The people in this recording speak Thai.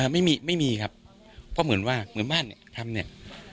ไม่มีไม่มีครับเพราะเหมือนว่าเหมือนบ้านเนี่ยทำเนี่ย